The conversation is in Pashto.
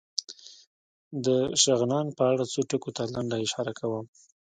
د شغنان په اړه څو ټکو ته لنډه اشاره کوم.